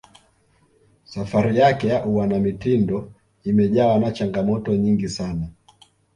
safari yake ya uanamitindo imejawa na changamoto nyingi sana